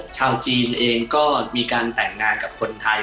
ชาวจีนเองก็มีการแต่งงานกับคนไทย